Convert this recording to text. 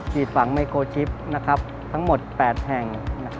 ฉีดฝังไมโครชิปทั้งหมด๘แห่ง